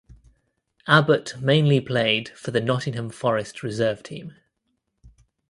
Abbott mainly played for the Nottingham Forest Reserve team.